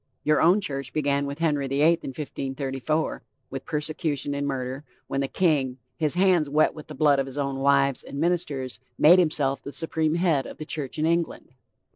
Your own church began with Henry the Eighth in 1534, with persecution and murder, when the king, his hands wet with the blood of his own wives and ministers, made himself the supreme head of the church in England.